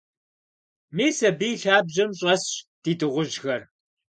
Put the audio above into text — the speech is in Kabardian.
Мис абы и лъабжьэм щӀэсщ ди дыгъужьхэр.